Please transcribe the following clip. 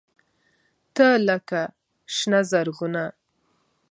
تۀ لکه “شنه زرغونه”